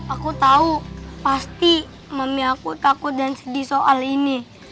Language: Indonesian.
aku tahu pasti mami aku takut dan sedih soal ini